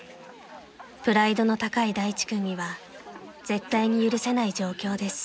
［プライドの高い大地君には絶対に許せない状況です］